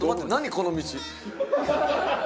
この道。